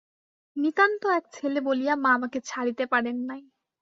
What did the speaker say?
নিতান্ত এক ছেলে বলিয়া মা আমাকে ছাড়িতে পারেন নাই।